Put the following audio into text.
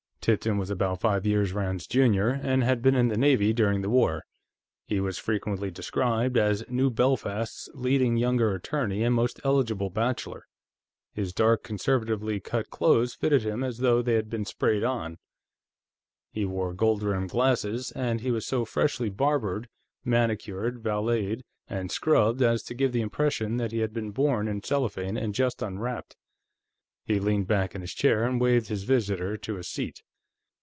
Tipton was about five years Rand's junior, and had been in the Navy during the war. He was frequently described as New Belfast's leading younger attorney and most eligible bachelor. His dark, conservatively cut clothes fitted him as though they had been sprayed on, he wore gold rimmed glasses, and he was so freshly barbered, manicured, valeted and scrubbed as to give the impression that he had been born in cellophane and just unwrapped. He leaned back in his chair and waved his visitor to a seat.